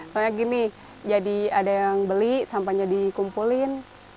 soalnya gini jadi ada yang beli sampahnya dikumpulin